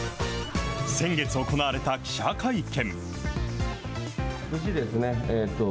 先月行われた記者会見。